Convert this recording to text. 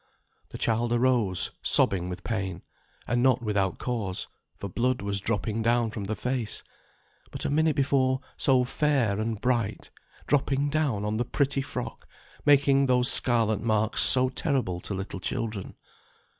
The child arose sobbing with pain; and not without cause, for blood was dropping down from the face, but a minute before so fair and bright dropping down on the pretty frock, making those scarlet marks so terrible to little children.